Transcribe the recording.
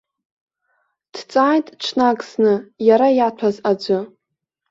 Дҵааит ҽнак зны, иара иаҭәаз аӡәы.